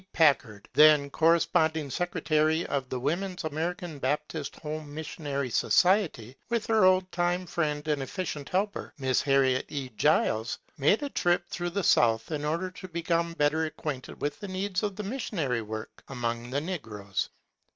Packard, then cor responding secretary of the Woman's American Baptist Home Missionary Society, with her old time friend and efficient helper, Miss Harriet E. Giles, made a trip through the south in order to become better acquainted with the needs of the mis sionary work among the negroes.